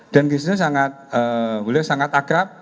dan gesturnya sangat akrab